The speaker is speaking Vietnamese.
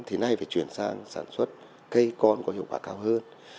thì nay phải chuyển sang sản xuất cây con có hiệu quả cao hơn